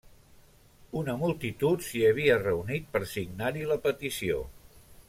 Una multitud s'hi havia reunit per signar-hi la petició.